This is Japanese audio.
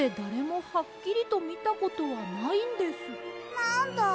なんだ。